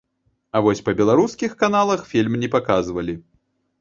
А вось па беларускіх каналах фільм не паказвалі.